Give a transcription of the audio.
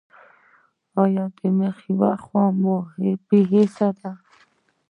ایا د مخ یوه خوا مو بې حسه ده؟